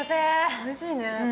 おいしいね。